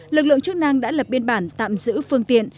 lực lượng chức năng đã lập biên bản tạm giữ phương tiện